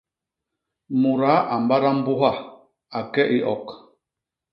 Mudaa a mbada mbuha a ke i ok.